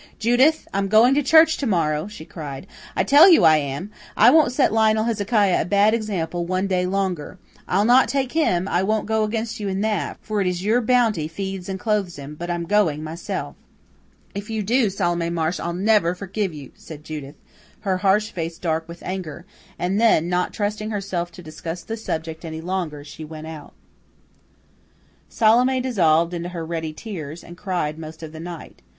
"Judith, I'm going to church to morrow," she cried. "I tell you I am, I won't set Lionel Hezekiah a bad example one day longer. I'll not take him; I won't go against you in that, for it is your bounty feeds and clothes him; but I'm going myself." "If you do, Salome Marsh, I'll never forgive you," said Judith, her harsh face dark with anger; and then, not trusting herself to discuss the subject any longer, she went out. Salome dissolved into her ready tears, and cried most of the night.